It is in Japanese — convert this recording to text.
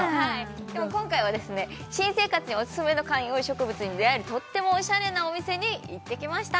今回は新生活にオススメの観葉植物に出会えるとってもおしゃれなお店に行ってきました